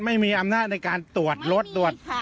ไม่มีอำนาจในการตรวจรถตรวจ